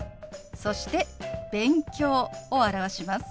そして「勉強」を表します。